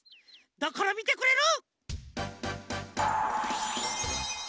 だからみてくれる？